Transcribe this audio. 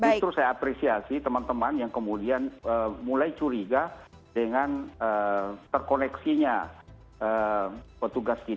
justru saya apresiasi teman teman yang kemudian mulai curiga dengan terkoneksinya petugas kita